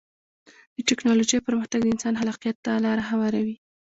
د ټکنالوجۍ پرمختګ د انسان خلاقیت ته لاره هواروي.